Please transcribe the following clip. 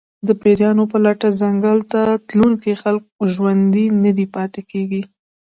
د پېریانو په لټه ځنګل ته تلونکي خلک ژوندي نه پاتې کېږي.